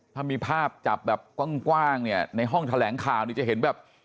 ถ้ามีภาพจับแบบกว้างเนี่ยในห้องแถลงข่าวนี่จะเห็นแบบ